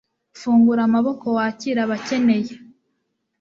fungura amaboko wakira abakeneye